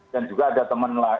dan juga ada teman lain